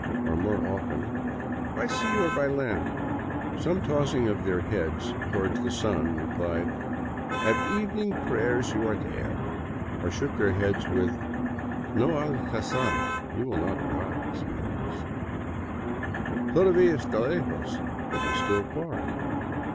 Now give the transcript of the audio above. Or, more often " By sea or by land ?" Some, tossing their heads toward the sun; repHed :" At evening prayers you are there," or shook their heads with ;No alcanzan — you will not arrive, senores/' " Todavia 'sta lejos — It is still far."